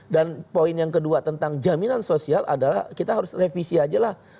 dan poin yang kedua tentang jaminan sosial adalah kita harus revisi aja lah